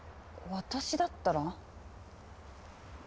私だったら？